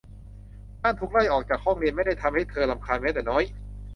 การถูกไล่ออกจากห้องเรียนไม่ได้ทำให้เธอรำคาญแม้แต่น้อย